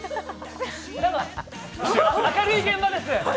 明るい現場です。